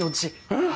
うん。